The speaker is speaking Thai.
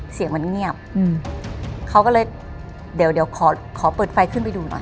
เสียงมันเงียบอืมเขาก็เลยเดี๋ยวเดี๋ยวขอขอเปิดไฟขึ้นไปดูหน่อย